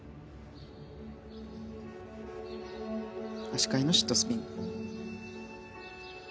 足換えのシットスピン。